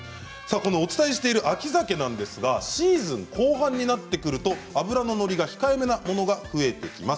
お伝えしている秋ザケなんですがシーズン後半になってくると脂の乗りが控えめなものが増えてきます。